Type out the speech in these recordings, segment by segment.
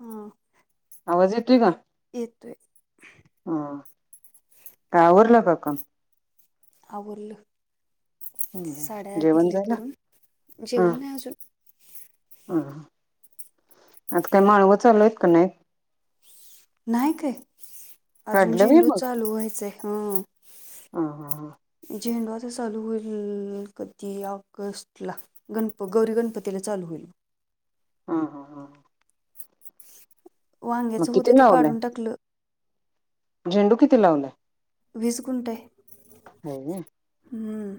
हमम. आवाज येतोय का? येतोय. हम काय आवरल का काम? आवरलं साड्या जेवण घेतल्या झालं? करून जेवण नाही अजून हम आता काय माळवं चालूय आहेत का नाही? नाही काय अजून काढलं व्हय झेंडू चालू व्हायचाय हं. अहहह. झेंडू आता चालू होईल अ कधी ऑगस्ट ला. गणप गौरी गणपतीला चालू होईल. हो हो हो. मग वांग्याचं होतं किती ते लावलाय? काढून टाकलं. झेंडू किती लावलाय? वीस गुंठाये. हो [unintelligible] हम्म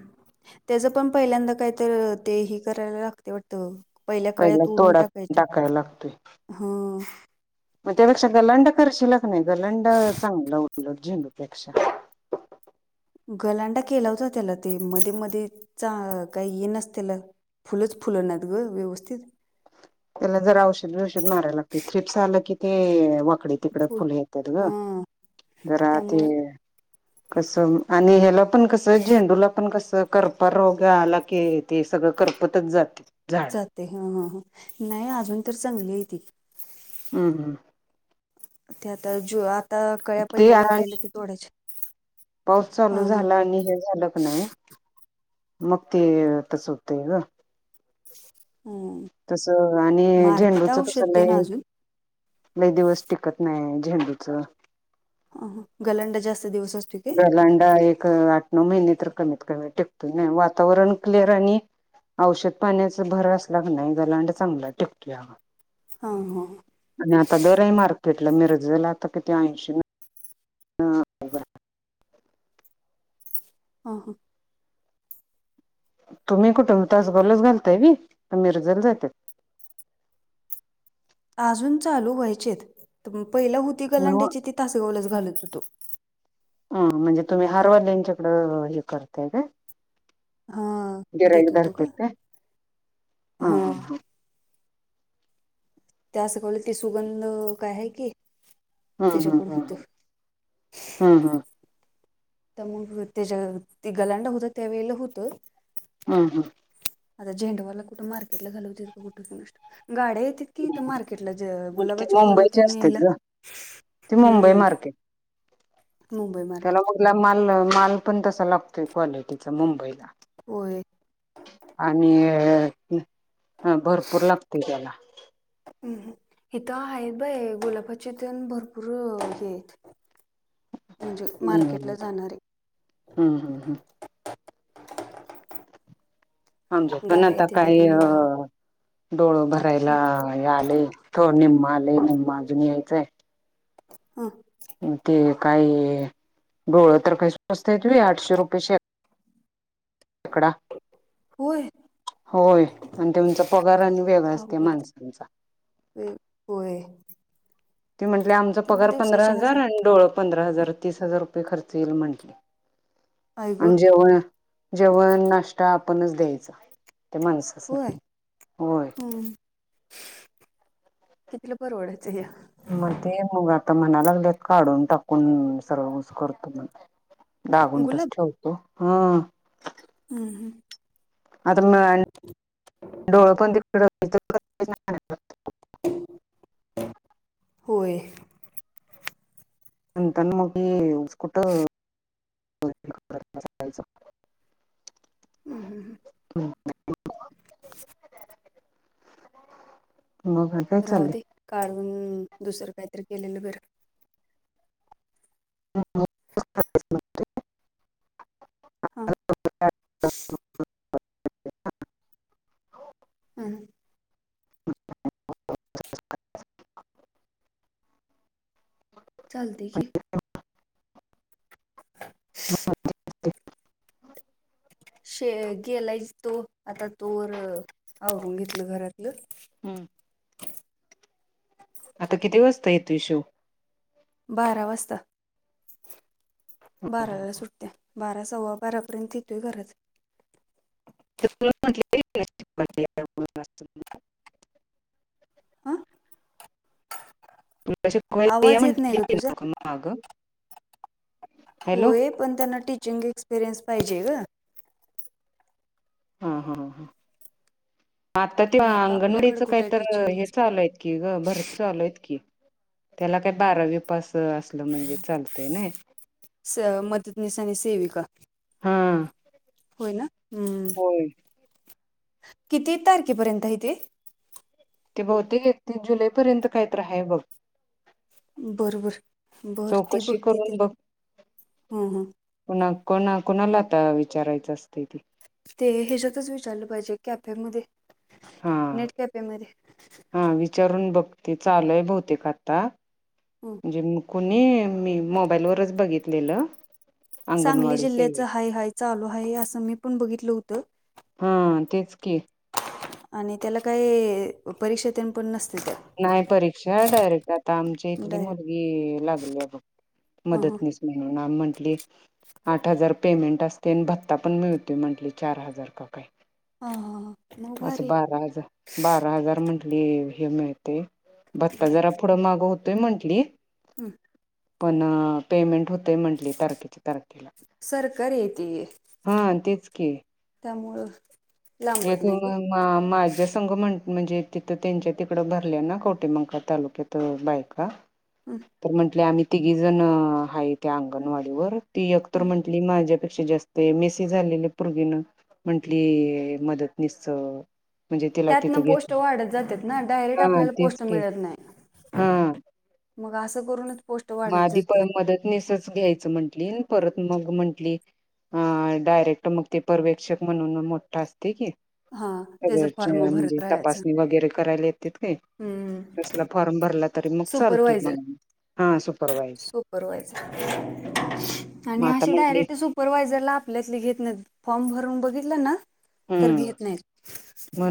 त्याच पण पहिल्यांदा काहीत ते हे करायला लागत ते वाटत पहिल्या कळ्यात पहिला तोडून तोडा टाकायच्या टाकायला लागतोय. हा मग त्यापेक्षा गलंंड करशिला का नाय गलंड चांगलं उलट झेंडूपेक्षा गलांडा केला होता त्याला ते मध्ये मध्ये चा काही हे नसतेल. फुलंच फुल नाहीत ग व्यवस्थित. त्याला जरा औषध बिवषध मारायला लागते थ्रिपस आलं कि ते वाकडे तिकड फुल येतात ग हा जरा ते त्यामुळं [inaudible] कसं आणि ह्याला पण कसं झेंडूला पण कसं करपा रोग आला की ते सगळं करपतच जात. जाते ह ह ह नाही अजून तर चांगली आहे ती. हम्म हम. ते आता जो आता कळ्या ते पहिल्या आणि लागलेल्या ते तोडायच्या. पाऊस चालू झाला आणि हे झालं क नाही मग ते तस होतय ग. हम्म. तसं आणि मारते तर झेंडूच कस औषध ते ना लय अजून लय दिवस टिकत नाही झेंडूच अह गलंंड जास्त दिवस असतो काय? गलांडा एक आठ नऊ महिने तर कमीत कमी टिकतो नाही वातावरण क्लिअर आणि औषध पाण्याचा भर असला क नाही गलांड चांगला टिकतोया. हं.. हं... हं. आणि आता दर ए मार्केटला... मिरजेला आता किती ऐंशी नव हां हां... हां तुम्ही कुठं होतास [unintelligible] का मिरजेला जात्यात? अजून चालू व्हायचेत, तर पहिलं होती नव्ह गलांड्याची ती... तासगावलाच घालत होतो हुं... म्हणजे तुम्ही हार वाल्याच्याकडं... हे करताय काय? हा... गिराईक देत होतो धरत्यात गं... काय? हा त्या [unintelligible] सुगंध काय हाय की हंहं... त्याच्याकडे हंहं... होतं हंहं तर मग त्याच्या... ते गलांडं होतं त्यावेळेला होतं हां हां आता झेंडवाला कुठं मार्केटला घालवते का [unintelligible] गाड्या येतेत कि इथं मार्केटला... ज... मग ते गुलाबाचे फुलं... मुंबईचे तेन असत्यात न्यायला... ग ते मुंबई हुं मार्केट. मुंबई मार्केट त्येला माल... माल पण तसा लागतोय क्वालिटीचा, मुंबईला होय आणि... भरपूर लागतंय त्येला हम्म... इथं हायेत बाई... गुलाबाचे तेण... भरपूर हे ऐत म्हणजे मार्केटला जाणारे हुंहुं... हुं. आमच्यात पण, गाड्या आता येतात काय... त्यामुळं डोळ भरायला हे आलंय... थो... निम्म आलंय... निम्म अजून यायचंय हं ते काय... डोळं तर काय स्वस्त ए... आठशे रुपयेचे हेत तुकडा होय होय... अन त्यांचा पगार अन वेगळाच त्या अवघड माणसांचा होय होय ते म्हटले... आमचा त्यांना पगार पंधरा दिवसाची हजार... हजेरी आणि डोळं पंधरा हजार... तीस हजार रुपये खर्च येईल म्हटले, आई आणि गं जेव जेवण, नाश्ता आपणच द्यायचा, त्ये माणसाना होय... हम्म... कितीला परवडायचं ह्य मग ते... मग आता म्हणा लागलेत... काढून, टाकून... सर्व ऊस करतो म्हणून दा गुंठेच गुलाब ठेवतो... हम्म हुं... हुं आता [unintelligible] डोळं पण [unintelligible] होय. म्हणताना मग [unintelligible] कुठं [unintelligible] हुंहुं... हुं. [unintelligible] [inaudible] मग आणि राहू दे... काढून... दुसरं काहीतरी केलेलं बरं [inaudible] [inaudible] हां हुं हुं चालतंय की [inaudible] शे गेलायच तो आता तोवर आवरून घेतलं घरातलं. हम्म आता किती वाजता येतो य शोव. बारा वाजता. बाराला सुटत्या बारा सव्वा बारापर्यंत येतोय घरात. म्ह [unintelligible] प्रस्तत [unintelligible] हा. न आग [unintelligible] आवाज येत नाही म्हटली ग होती तुझा ना माग. हॅलो होय पण त्यांना टीचिंग एक्सपिरियन्स पाहिजे ग. हा हा ह आता ते मग आपल्याकडे अंगणवाडीचं काही कुठे तर टीचिंग हे चालू आहेत. ग भरती चालूयत की त्याला काय बारावी पास अस स मदतनीस आणि सेविका. हा होयना. होय. किती तारखेपर्यंत आहे तेे. ते बहुते ती जुलैपर्यंत काहीत राहाय बघ. बरबर बर त चौकशी बघती ते ह ह. कणा कोणा कुणाला आता विचारायचं असते. ते ह्याच्यातच विचारलं पाहिजे कॅपे मध्ये हा नेट कॅपे मध्ये. हा विचारून बघते चालू आहे बहुतेक आता. हम. म्हणजे कुणी मी मोबाईलवरच बघितलेलं. सांगली अंगणवाडी जिल्ह्याच सेवेत हाय हाय चालू हाय असं मी पण बघितलं होतं. हा तेच की. आणि त्याला काही परीक्षा तेण पण नसते त्या‌. नाही परीक्षा डायरेक्ट आता आमच्या इथली डायरेक्ट मुलगी लागली बघ हां हां मदतनिस. नाम म्हंटली. आठ हजार पेमेंट असते आणि भत्ता पण मिळतोय म्हंटली चार हजार का काही. हा हां हां. मग असं भारी बारा हजार बारा हजार म्हंटली हे मिळते. भत्ता जरा पुढं मागं होतोय म्हंटली. हम. पण पेमेंट होत म्हंटली तारखेची. तारखेला सरकारी आहे हा तेच की. तमुळेळ. येथून. मा-माझ्या संघ म्हण -म्हणजे तिथं त्यांच्या तिकडं भरल्या ना कवटेमकाळ तालुक्यात बायका. हं तर म्हंटले आम्ही तिघी जण आहे त्या अंगणवाडीवर. ती एकक्तर हं म्हंटली माझ्यापेक्षा जास्त मेसेज झालेले पोरगीन म्हंटली. मदतनीसच. त्यातन पोस्ट वाढत जातात ना डायरेक्ट हा आपल्याला तेच पोस्ट की मिळत नाही. हा. मग असं करून. मग आधी प मदत नसच घ्यायचं म्हंटली परत मग म्हंटली. अ डायरेक्ट मग ते पर्वेक्षक म्हणून मोठा असते की, हा अग त्याचं फॉर्म भरत म्हणजे राहायचं तपासणी वगैरे करायला येत का हम्म तसला. फॉर्म भरला तरी मग चालतोय सुपरवायझर मग. हा सुपरवायझर सुपरवायझर आणि मग आता असे म्हंटले डायरेक्टप सूप परवाय जर ला आपल्यातली घेत नाहीत फॉर्म भरून बघितलं ना तर हम्म घेत नाहीत.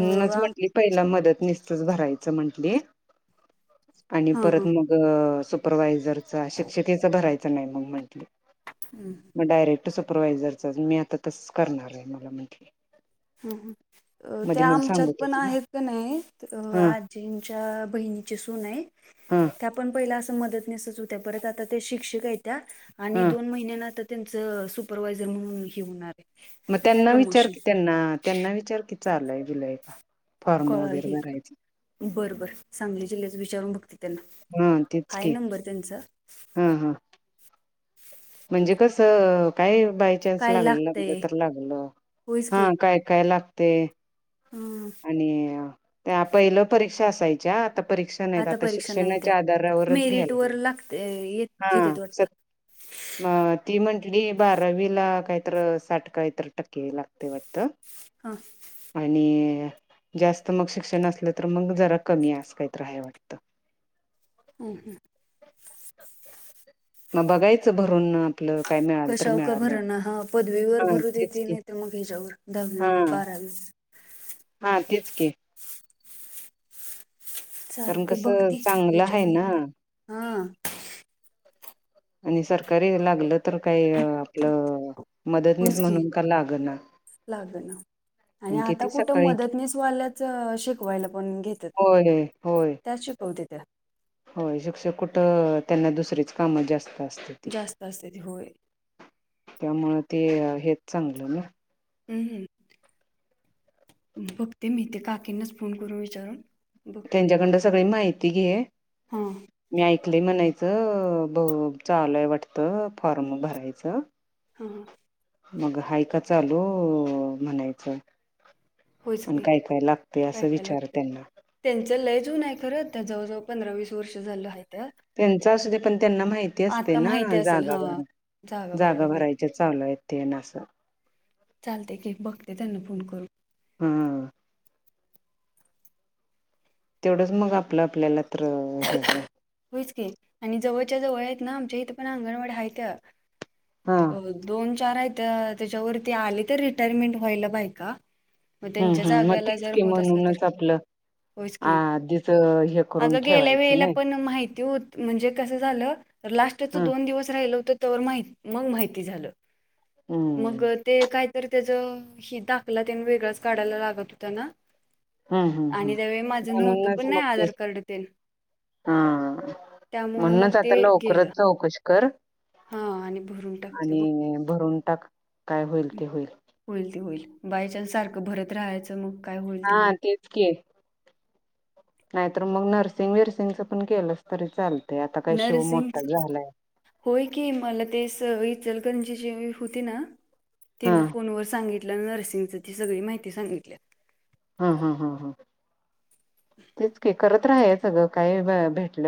अ आम म्हंटली पहिला मदत निसतच भरायचं म्हंटली. आणि हां परत हां मग सुपरवायझरचा- शिक्षिकेचा भरायचं नाही मग म्हंटले. हम्म मग डायरेक्ट सुपरवायझरचाच मी आता तसच करणार आहे मला म्हटले. हम्म -हम्म अ त्या मला आमच्यात सांगत पण होती ना आहेत का नाही हा आजींच्या बहिणीची सून हाय हा पण पहिला अस मदतनिसच होत्या, परत आता त्या शिक्षका आहेत्या आणि हा दोन महिन्यान आ तेचं सुपरवायझर म्हणून हे होणार आहे मग त्यांना विचार प्रमोशन की त्यांना, त्यांना विचार की चालूय- बिलय का? क फॉर्म वगैरे हे का भरायचं बरं -बरं सांगली जिल्ह्याच विचारून बघते. त्यांना, हाय नंबर तेंच हा-हा म्हणजे कसं काय बायचान्स काय लागल- लागतंय लागलं तर लागलं होयच हा काय काय लागतय हम्म आणि त्या पहिल्या परीक्षा असायच्या आता परीक्ष आता परीक्षा नाहीत्या मेरिट घ्यायला वर लागतय- हा घेतेत वाटत. स म ती म्हंटली बारावीला कायतर साठ कायतर टक्के लागतय वाटत. हा [inaudible] आणि जास्त मग शिक्षण असलं तर मग जरा कमी आहे अस काहीतर हाय वाटतं. हं हम्म मग बघायचं भरून आपलं काय मिळा कशावका भरणा हा पदवीवर भरू तेच देेती की नाहीेत मग ह्याच्यावर -दहावी हा व बारावी [inaudible] हा तेच की कारण चालतय कसं बघती चांगलं आहे विचारून ना त्यांला हा [inaudible] आणि सरकारी लागलं तर काही आपलं मदतनीस म्हणून का लागना. लागना. आणि आता कुठं सकाळी मदतनीसवाल्याच शिकवायला पण घेत्यात. होय-हो त्या शिकवतेत्या. होय शिक्षक कुठं त्यांना दुसरीेच काम जास्त असत्याती. जास्त असते ते होय [inaudible] त्यामुंळ ते हेच चांगलं ना. हम्म-हम्म बघते मी ते काकींनाच फोन करून विचारून त्यांच्याकडंन सगळी माहिती घे. हम्म मी ऐकलय म्हणायचं अ ब -चालूय वाटतं फॉर्म भरायचं. हम्म -हम्म मग हायका चालू.. अ म्हणायचं. होच आणि की काय- काय लागतय असं विचार त्यांना तेंच लय जून आहे खरं त्या जवळजवळ पंधरा वीस वर्ष झाल आहे त्यात. तेंचा असू दे पण त्यांना माहित ती असते ना माहिती असेल जागा हा भर भरायला -जागा होय भरायच्या चालूयेत तेन असं चालतय की बघते त्यांना फोन करून हा तेवढंच मग आपलं आपल्याला तर हे होईल. होयच की आणि जवळच्या जवळ आहेत ना आमच्या इथे पण अंगणवाड्या हायत्या हा अ दोन, चार आहेत त्याच्यावरती आली तर रिटायरमेंट व्हायला बायका मग हम्म- त्यांच्या हम्म मग जागेला तेच जर की होत असलं तर म्हणूनच आपलं होयच की आधिच अगं गेल्या वेळेला पण माहिती होत म्हणजे कसं झालं लास्टच हं दोन दिवस राहिलं होतं तवर माहित मंग माहिती झालं मग हम्म ते कायतरी त्याच ही दाखला त्यानं वेगळांच काढायला लागत होता ना हम्म हम्म हम्म आणि त्यावेळी माझं नव्हतं म्हणूनच पण नाय मग ते आधार कार्ड तेनं हा मग म्हणूनच ते आता गेलं लवकरच चौकशी कर हा आणि भरून टाकते बघ आणि भरून टाक काय होईल ते होईल होईल ते होईल बाय चान्स सारखं भरत राहयाचं म हा तेचं की नायतर म नर्सिंग विरसिंगच पण केलंस तरी चाल ते आता काय शिव मोठा नर्सिंगच झालाय. होय की मला ते स इचलकंरची होती ना हा तिनं फोनवर सांगितलं नर्सिंगच ती सगळी माहिती सांगितल्या हा हा हा हा तेच की करत राहयाचं ग काय भ भेटलं